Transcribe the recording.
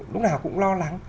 lúc nào cũng lo lắng